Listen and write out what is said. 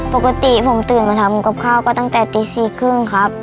ปกติผมตื่นมาทำกับข้าวก็ตั้งแต่ตี๔๓๐ครับ